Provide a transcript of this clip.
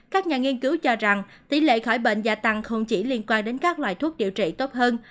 các nhà nghiên cứu cho rằng tỷ lệ khỏi bệnh gia tăng không chỉ liên quan đến các loại thuốc điều trị tốt hơn